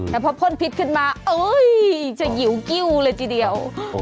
แต่พอพ่นพิษขึ้นมาเอ้ยจะหิวกิ้วเลยทีเดียว